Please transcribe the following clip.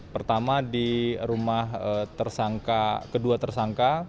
pertama di rumah tersangka kedua tersangka